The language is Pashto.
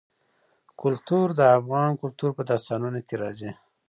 کلتور د افغان کلتور په داستانونو کې راځي.